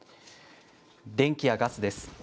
電気やガスです。